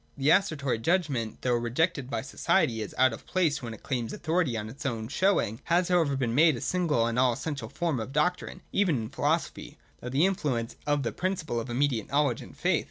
The Assertory judgment, although rejected by society as out of place when it claims authority on its own show ing, has however been made the single and all essential form of doctrine, even in philosophy, through the in fluence of the principle of immediate knowledge and faith.